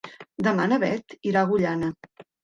Demà na Beth irà a Agullana.